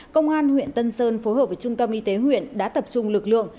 công an huyện tân sơn phối hợp với trung tâm y tế huyện đã tập trung lực lượng